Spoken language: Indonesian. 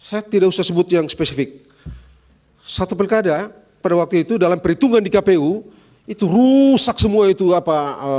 hai setir usah sebut yang spesifik satu berkata pada waktu itu dalam perhitungan di kpu itu rusak semua itu apa